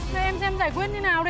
thôi em xem giải quyết như thế nào đi